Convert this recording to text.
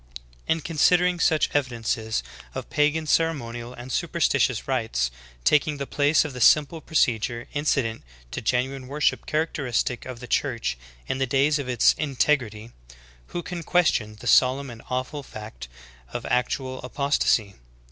'^ 8. In considering such evidences of pagan ceremonial and superstitious rites taking the place of the simple pro cedure incident to genuine worship characteristic of the Church in the days of its integrity, who can question the solemn and awful fact of actual apostasy?